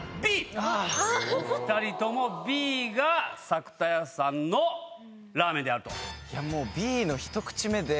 ２人ともＢが作田家さんのラーメンであると。